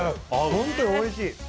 本当においしい。